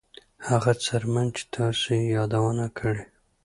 هغه څرمن چې تاسو یې یادونه کړې